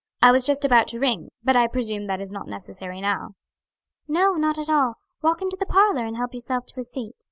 "I was just about to ring; but I presume that is not necessary now." "No, not at all. Walk into the parlor, and help yourself to a seat.